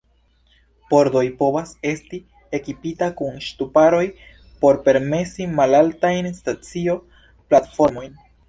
Pordoj povas esti ekipita kun ŝtuparoj por permesi malaltajn stacio-platformojn.